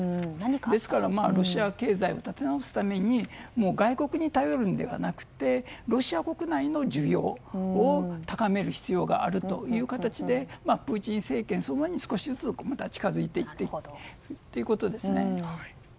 ですから、ロシア経済を立て直すために外国に頼るのではなくてロシア国内の需要を高める必要があるという形でプーチン政権に少しずつ近づいていっているということですね。